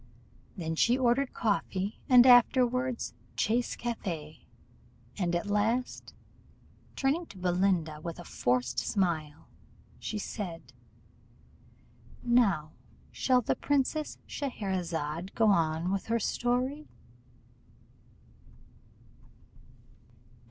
Then she ordered coffee, and afterward chasse café, and at last, turning to Belinda, with a forced smile, she said "Now shall the Princess Scheherazade go on with her story?"